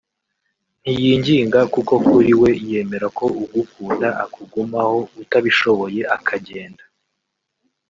ntiyinginga kuko kuri we yemera ko ugukunda akugumaho utabishoboye akagenda